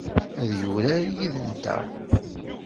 Ad yurar yid-nteɣ?